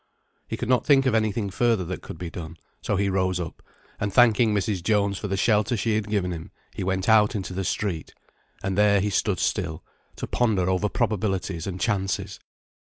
He could not think of any thing further that could be done; so he rose up, and, thanking Mrs. Jones for the shelter she had given him, he went out into the street; and there he stood still, to ponder over probabilities and chances.